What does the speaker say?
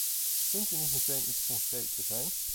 Kunt u niet meteen iets concreter zijn?